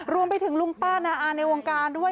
รวมไปถึงลุงป้านาอาในวงการด้วย